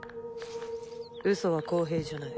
ウソは公平じゃない。